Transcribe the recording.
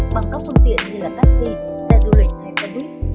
bằng các phương tiện như là taxi xe du lịch hay xe buýt